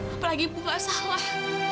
apalagi ibu gak salah